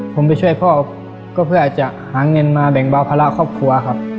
ผมไปช่วยพ่อก็เพื่อจะหาเงินมาแบ่งเบาภาระครอบครัวครับ